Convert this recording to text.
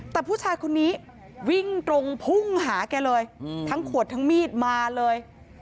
แต่ผู้ชายคนนี้วิ่งตรงพุ่งหาแกเลยทั้งขวดทั้งมีดมาเลย